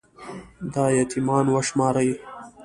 دا يـتـيـمـان وشمارئ